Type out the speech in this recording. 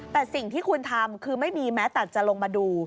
แต่สิ่งที่คุณทำคือไม่มีแม้แต่จะลงมาดู